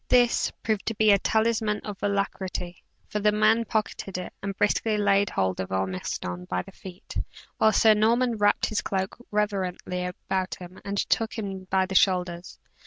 "This" proved to be a talisman of alacrity; for the man pocketed it, and briskly laid hold of Ormiston by the feet, while Sir Norman wrapped his cloak reverently about him and took him by the shoulders.